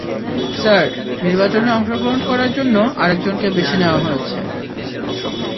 Sir, নির্বাচনে অংশগ্রহণ করার জন্য আরেকজনকে বেছে নেওয়া হয়েছে।